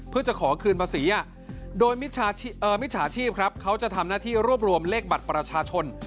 เพื่อจะขอคืนภาษีโดยมิจฉาชีพครับเขาจะทำหน้าที่รวบรวมเลขบัตรประชาชน